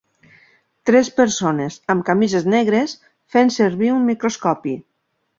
Tres persones amb camises negres fent servir un microscopi.